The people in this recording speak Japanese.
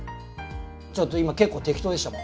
ちょっと今結構適当でしたもん。